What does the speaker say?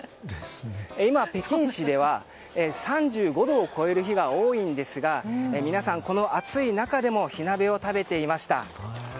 今、北京市では３５度を超える日が多いんですが皆さん、この暑い中でも火鍋を食べていました。